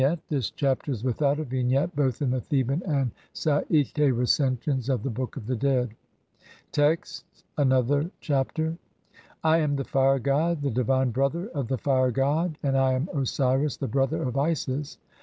] Vignette : This Chapter is without a vignette both in the Theban and Saite Recensions of the Book of the Dead. Text : (1) Another (2) Chapter. "I am the Fire god, the divine brother of the Fire god, and "[I am] Osiris the brother of Isis.